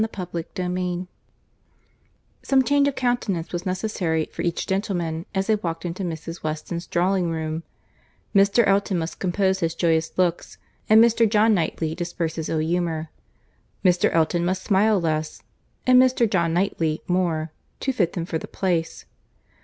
CHAPTER XIV Some change of countenance was necessary for each gentleman as they walked into Mrs. Weston's drawing room;—Mr. Elton must compose his joyous looks, and Mr. John Knightley disperse his ill humour. Mr. Elton must smile less, and Mr. John Knightley more, to fit them for the place.